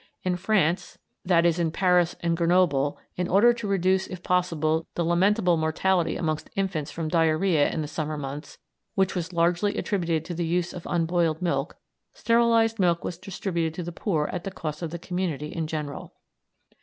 In France, i.e. in Paris and Grenoble, in order to reduce if possible the lamentable mortality amongst infants from diarrhoea in the summer months, which was largely attributed to the use of unboiled milk, sterilised milk was distributed to the poor at the cost of the community in general.